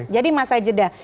jadi masa jeda